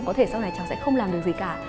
có thể sau này cháu sẽ không làm được gì cả